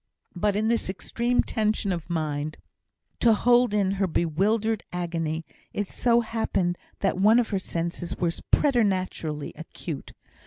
But in this extreme tension of mind to hold in her bewildered agony, it so happened that one of her senses was preternaturally acute.